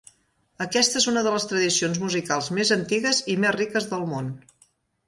Aquesta és una de les tradicions musicals més antigues i més riques del món.